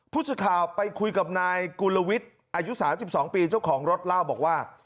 ผู้สื่อข่าวไปคุยกับนายกุลวิทย์อายุ๓๒ปีเจ้าของรถเล่าบอกว่า